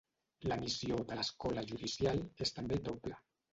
La missió de l'Escola Judicial és també doble.